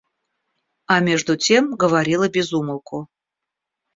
А между тем говорила без умолку.